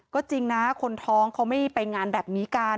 ก็จริงนะคนท้องเขาไม่ไปงานแบบนี้กัน